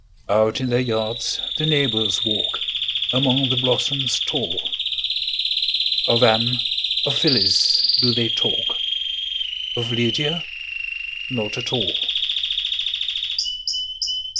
Out in their yards the neighbors walk, Among the blossoms tall; Of Anne, of Phyllis, do they talk, Of Lydia not at all.